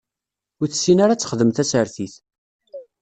Ur tessin ara ad texdem tasertit.